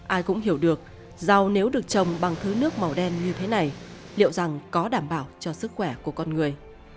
ai cũng hiểu được rau nếu được trồng bằng thứ nước màu đen như thế này liệu rằng có đảm bảo cho sức khỏe của con người